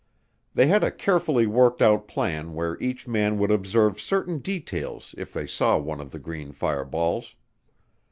They had a carefully worked out plan where each man would observe certain details if they saw one of the green fireballs.